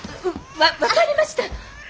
わ分かりました！